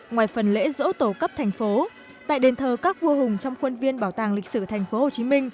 ngoài phần lễ dỗ tổ cấp thành phố tại đền thờ các vua hùng trong khuôn viên bảo tàng lịch sử tp hcm